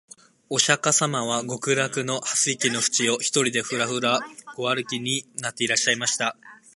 御釈迦様は極楽の蓮池のふちを、独りでぶらぶら御歩きになっていらっしゃいました